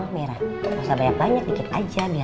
maksudnya ini ada di